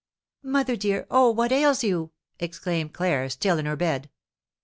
"Mother, dear, oh, what ails you?" exclaimed Claire, still in her bed.